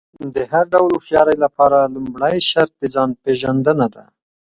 چې د هر ډول هوښيارۍ لپاره لومړی شرط د ځان پېژندنه ده.